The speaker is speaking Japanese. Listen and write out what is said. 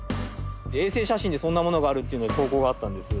衛星写真でそんなものがあるっていうので投稿があったんです。